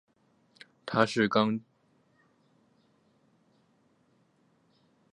他是刚铎。